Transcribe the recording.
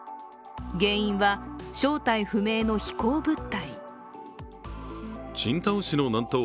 原因は、正体不明の飛行物体。